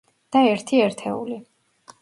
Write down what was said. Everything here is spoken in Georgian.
და ერთი ერთეული.